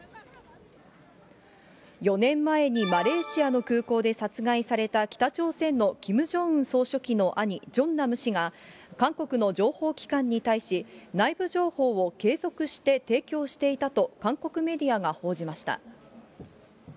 ４年前にマレーシアの空港で殺害された北朝鮮のキム・ジョンウン総書記の兄、ジョンナム氏が韓国の情報機関に対し、内部情報を継続して提供していたと韓国メディアが報じました。